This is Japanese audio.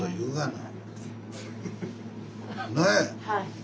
はい。